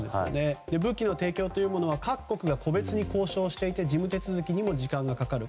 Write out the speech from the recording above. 武器の提供は各国が個別に交渉していて事務手続きにも時間がかかる。